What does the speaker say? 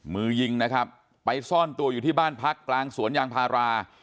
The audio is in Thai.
มือยิงนะครับไปซ่อนตัวอยู่ที่บ้านพักกลางสวนยางพารา